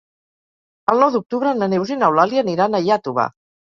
El nou d'octubre na Neus i n'Eulàlia aniran a Iàtova.